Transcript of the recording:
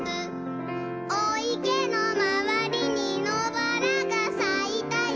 「おいけのまわりにのばらがさいたよ」